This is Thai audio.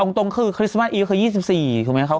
เอาตรงคือคริสต์มาสอีคคือ๒๔นะครับ